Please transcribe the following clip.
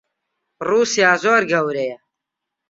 ڕووسیا زۆر گەورەیە.